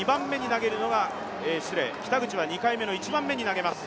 北口は２回目の１番目に投げます。